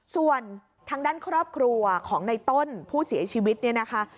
ส่วนทางด้านครอบครัวของในต้นผู้เสียชีวิตเนี่ยนะคะ